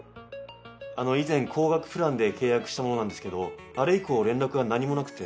以前高額プランで契約した者なんですけどあれ以降連絡が何もなくて。